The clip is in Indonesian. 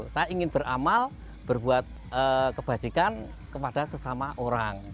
saya ingin beramal berbuat kebajikan kepada sesama orang